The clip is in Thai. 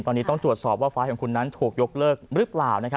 ตอนนี้ต้องตรวจสอบว่าฟ้าของคุณนั้นถูกยกเลิกหรือเปล่า